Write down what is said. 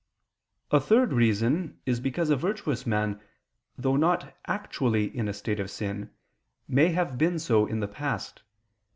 A third reason is because a virtuous man, though not actually in a state of sin, may have been so in the past.